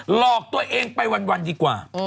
หลอกตัวเองไปวันดีกว่า